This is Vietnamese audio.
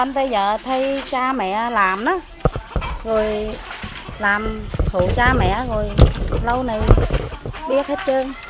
phụ cha mẹ rồi lâu này biết hết trơn